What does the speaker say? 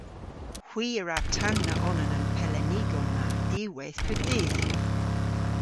Hwi a wra tanna onan a'n pelennigow ma diwweyth pub dydh.